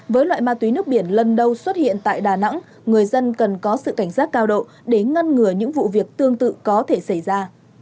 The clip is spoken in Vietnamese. với loại ma túy nước biển lần đầu xuất hiện tại đà nẵng người dân cần có sự cảnh giác cao độ để ngăn ngừa những vụ việc tương tự có thể xảy ra